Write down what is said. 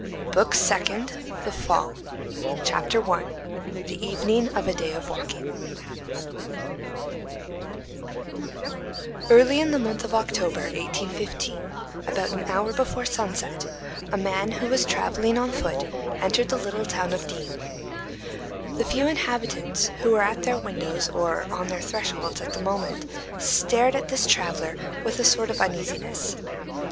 BOOK SECOND—THE FALL CHAPTER I—THE EVENING OF A DAY OF WALKING Early in the month of October, 1815, about an hour before sunset, a man who was travelling on foot entered the little town of D—— The few inhabitants who were at their windows or on their thresholds at the moment stared at this traveller with a sort of uneasiness.